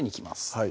はい